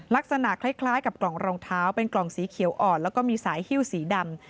ลักษณะคล้ายกับกล่องรองเท้าเป็นกล่องสีเขียวอ่อนแล้วก็มีสายฮิ้วสีดำ